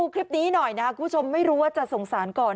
คลิปนี้หน่อยนะครับคุณผู้ชมไม่รู้ว่าจะสงสารก่อน